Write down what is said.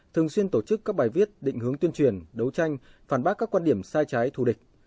thường xuyên tổ chức các bài viết định hướng tuyên truyền đấu tranh phản bác các quan điểm sai trái thù địch